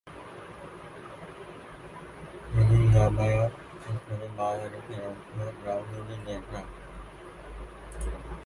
তিনি জামায়াত ইসলামী বাংলাদেশ এর একজন রাজনৈতিক নেতা।